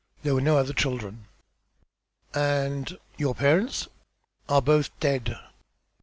There were no other children." "And your parents?" "Are both dead."